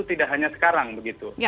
tidak hanya sekarang begitu